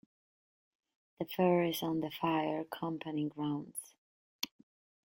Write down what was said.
The fair is on the Fire Company grounds.